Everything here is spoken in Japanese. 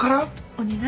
お願い。